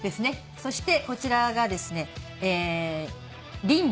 そしてこちらがですねリンドウ。